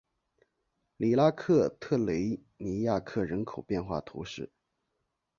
里拉克特雷尼亚克人口变化图示